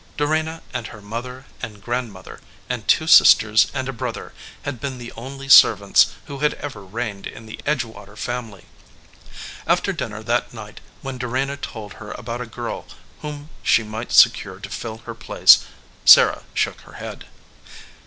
Dorena and her mother and grandmother, and two sisters and a brother, had been the only servants who had ever reigned in the Edgewater family. After dinner that night, when Dorena told her about a girl whom she might secure to fill her place, Sarah shook her head.